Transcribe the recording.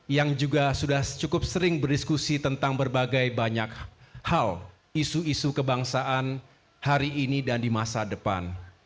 yang juga sudah cukup sering berdiskusi tentang berbagai banyak hal isu isu kebangsaan hari ini dan di masa depan